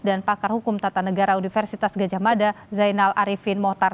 dan pakar hukum tata negara universitas gajah mada zainal arifin motar